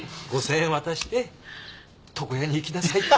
５，０００円渡して床屋に行きなさいって。